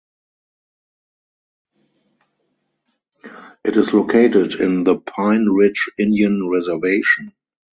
It is located in the Pine Ridge Indian Reservation.